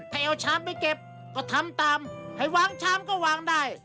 ให้เอาชามไปเก็บก็ทำตามให้วางชามก็วางได้